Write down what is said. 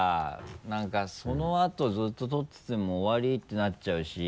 何かそのあとずっと撮ってても終わりってなっちゃうし。